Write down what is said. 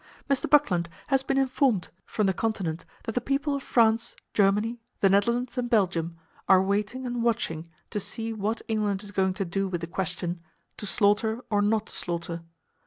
Mr. Buckland has been informed from the Continent that the people of France, Germany, the Netherlands and Belgium are waiting and watching to see what England is going to do with the question, "To slaughter, or not to slaughter?"